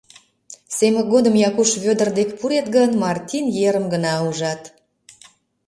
— Семык годым Якуш Вӧдыр дек пурет гын, Мартин ерым гына ужат...